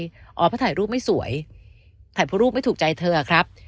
เพราะถ่ายรูปไม่สวยถ่ายพระรูปไม่ถูกใจเธอครับ